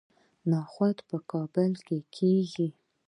نخود په کابل کې کیږي